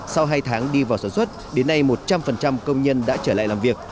sau hai tháng đi vào sản xuất đến nay một trăm linh công nhân đã trở lại làm việc